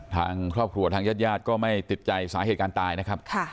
ทางครอบครัวทางญาติญาติก็ไม่ติดใจสาเหตุการณ์ตายนะครับ